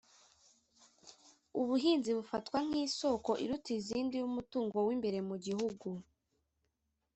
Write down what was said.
ubuhinzi bufatwa nk’isoko iruta izindi y’umutungo w’imbere mu gihugu